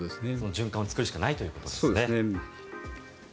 循環を作るしかないということですね。